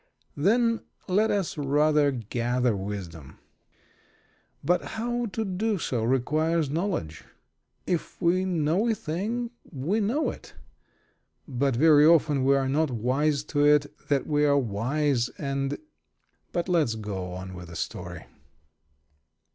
Then, let us rather gather wisdom. But how to do so requires knowledge. If we know a thing, we know it; but very often we are not wise to it that we are wise, and But let's go on with the story.